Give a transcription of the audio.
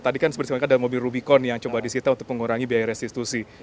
tadi kan seperti ada mobil rubicon yang coba disita untuk mengurangi biaya restitusi